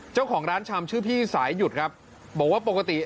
เจ้าของร้านชำชื่อพี่สายหยุดครับบอกว่าปกติ